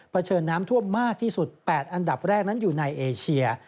เฉินน้ำท่วมมากที่สุด๘อันดับแรกนั้นอยู่ในเอเชีย